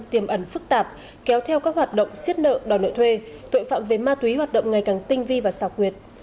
tiềm ẩn phức tạp kéo theo các hoạt động siết nợ đòi nội thuê tội phạm về ma túy hoạt động ngày càng tinh vi và sọc nguyệt